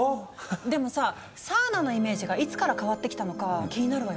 でもさサウナのイメージがいつから変わってきたのかは気になるわよね。